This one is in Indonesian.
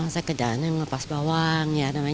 saya kerjaannya ngepas bawang